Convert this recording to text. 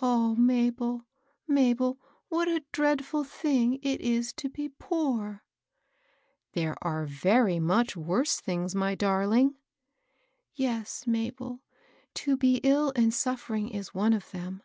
O Mabel, Mabel ! what a dreadful thing it is to be poor I "" There are very much worse things, my dar ling." " Yes, Mabel ; to be ill and suffering is one of them.